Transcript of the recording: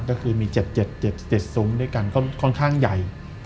ก็คือมี๗๗ซุ้มด้วยกันค่อนข้างใหญ่